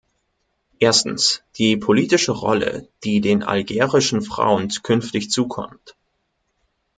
Erstens, die politische Rolle, die den algerischen Frauen künftig zukommt.